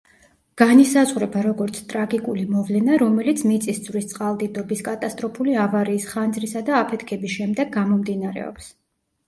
განისაზღვრება როგორც ტრაგიკული მოვლენა, რომელიც მიწისძვრის, წყალდიდობის, კატასტროფული ავარიის, ხანძრისა და აფეთქების შემდეგ გამომდინარეობს.